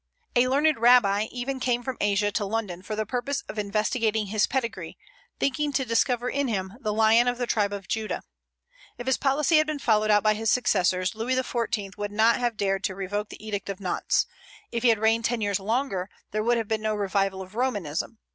A learned Rabbi even came from Asia to London for the purpose of investigating his pedigree, thinking to discover in him the "Lion of the tribe of Judah." If his policy had been followed out by his successors, Louis XIV. would not have dared to revoke the Edict of Nantes; if he had reigned ten years longer, there would have been no revival of Romanism.